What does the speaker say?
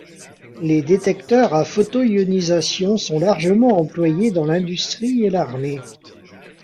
Les détecteurs à photoionisation sont largement employés dans l'industrie et l'armée.